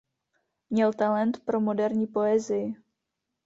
Měl talent pro moderní poezii.